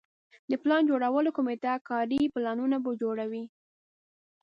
د پلان جوړولو کمیټه کاري پلانونه به جوړوي.